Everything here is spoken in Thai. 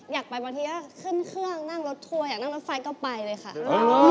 อยากไปบางทีก็ขึ้นเครื่องนั่งรถทัวร์อยากนั่งรถไฟก็ไปเลยค่ะ